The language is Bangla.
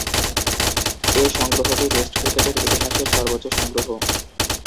এ সংগ্রহটি টেস্ট ক্রিকেটের ইতিহাসের সর্বোচ্চ সংগ্রহ।